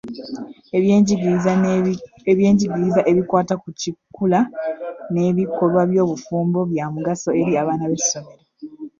Ebyenjigiriza ebikwata ku kikula n'ebikolwa by'obufumbo bya mugaso eri abaana b'essomero.